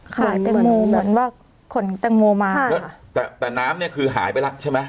แตงโมเหมือนว่าขนแตงโมมาแล้วแต่แต่น้ำเนี้ยคือหายไปแล้วใช่ไหม